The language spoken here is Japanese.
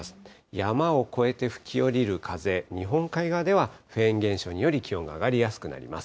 山を越えて吹き降りる風、日本海側ではフェーン現象により、気温が上がりやすくなります。